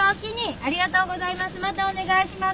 ありがとうございます。